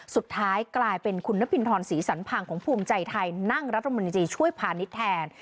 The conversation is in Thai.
สุดท้ายกลายเป็นคุณนพินทรศรีสันพังของภูมิใจไทยนั่งรัฐมนตรีช่วยพาณิชย์แทน